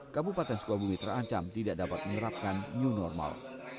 kabupaten sukabumi terancam tidak dapat menerapkan new normal